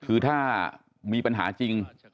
คือถ้ามีปัญหาจริง